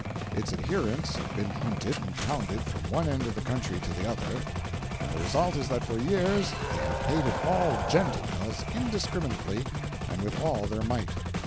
Its adherents have been hunted and hounded from one end of the country to the other, and the result is that for years they have hated all "Gentiles" indiscriminately and with all their might.